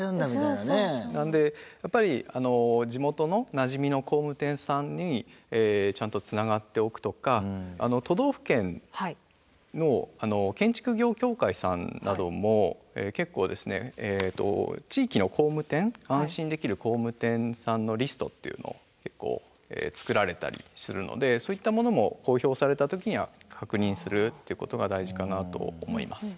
なんでやっぱり地元のなじみの工務店さんにちゃんとつながっておくとか都道府県の建築業協会さんなども結構ですね地域の工務店安心できる工務店さんのリストっていうのを結構作られたりするのでそういったものも公表された時には確認するっていうことが大事かなと思います。